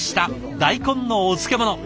大根のお漬物。